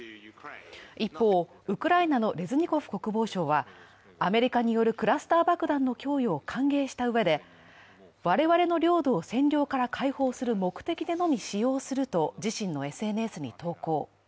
一方、ウクライナのレズニコフ国防相は、アメリカによるクラスター爆弾の供与を歓迎したうえで我々の領土を占領から開放する目的のみ使用すると自身のＳＮＳに投稿。